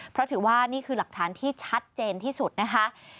เพราะถือว่านี่คือหลักฐานที่ชัดเจนที่สุดนะคะ